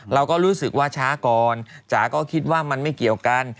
เราก็รู้สึกว่าช้าก่อนจ๋าก็คิดว่ามันไม่เกี่ยวกัน